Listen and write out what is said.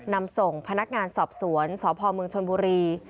นำส่งพนักงานสอบสวนสพเมืองชนบุรี